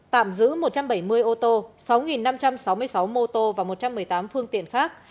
tạm giữ một trăm bảy mươi ô tô sáu năm trăm sáu mươi sáu mô tô và một trăm một mươi tám phương tiện khác